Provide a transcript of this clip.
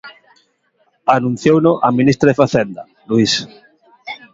Anunciouno a ministra de Facenda, Luís.